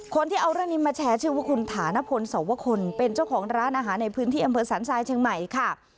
คนที่เอาเรื่องนี้มาแชร์ชื่อว่าคุณฐานพลสวคลเป็นเจ้าของร้านอาหารในพื้นที่อำเภอสันทรายเชียงใหม่ค่ะ